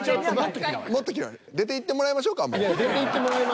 「出ていってもらいましょう」じゃない。